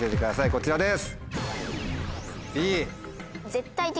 こちらです。